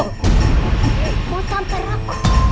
mau tampar aku